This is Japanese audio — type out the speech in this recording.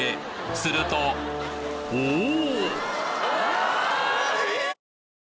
するとおおぉ！